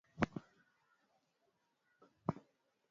na hasimu wake mkubwa alasan watara